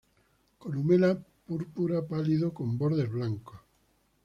Columela púrpura pálido con bordes blancos.